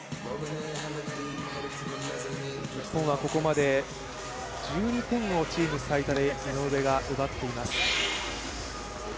日本はここまで、１２点をチーム最多で井上が奪っています。